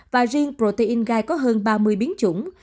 và riêng protein gai có hơn ba mươi biến chủng